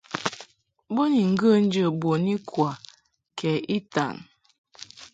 Bo ni ŋgə̌ njə̌ bun ikwa kɛ itan.